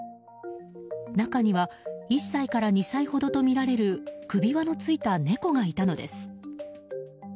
中には１歳から２歳ほどとみられる首輪のついた猫がいたのです。